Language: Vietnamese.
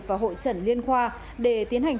và hội trẩn liên khoa để tiến hành